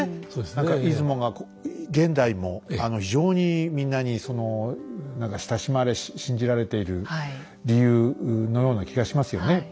何か出雲が現代も非常にみんなに親しまれ信じられている理由のような気がしますよね。